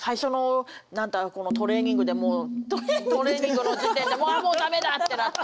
トレーニングで⁉トレーニングの時点でもうあもう駄目だってなって。